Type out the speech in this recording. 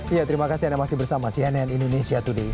ya terima kasih anda masih bersama cnn indonesia today